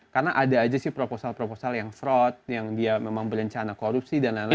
karena ada aja sih proposal proposal yang fraud yang dia memang berencana korupsi dan lain lain